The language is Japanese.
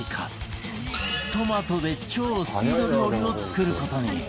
トマトで超スピード料理を作る事に